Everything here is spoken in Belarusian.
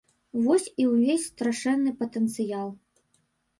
Вось і ўвесь страшэнны патэнцыял.